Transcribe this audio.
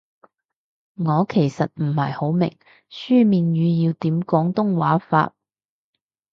我其實唔係好明書面語要點廣東話法